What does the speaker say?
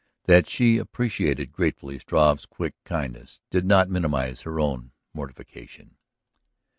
That she appreciated gratefully Struve's quick kindness did not minimize her own mortification.